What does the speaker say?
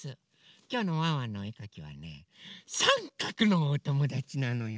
きょうのワンワンのおえかきはねさんかくのおともだちなのよ。